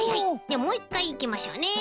もういっかいいきましょうね。